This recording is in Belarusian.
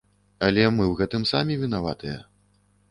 Але мы ў гэтым самі вінаватыя.